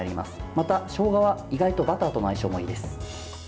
また、しょうがは意外とバターとの相性もいいです。